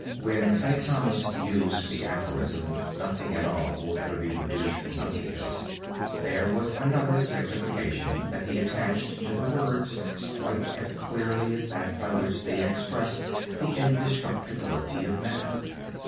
When St. Thomas used the aphorism "Nothing at all will ever be reduced to nothingness" there was another signification that he attached to the words quite as clearly as that by which they expressed the indestructibility of matter.